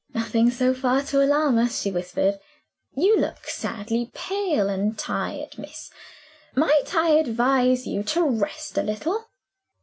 "Nothing, so far, to alarm us," she whispered. "You look sadly pale and tired, miss. Might I advise you to rest a little?"